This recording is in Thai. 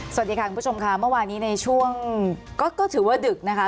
สวัสดีค่ะคุณผู้ชมค่ะเมื่อวานนี้ในช่วงก็ถือว่าดึกนะคะ